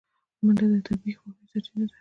منډه د طبیعي خوښیو سرچینه ده